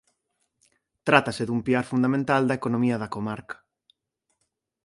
Trátase dun piar fundamental da economía da comarca.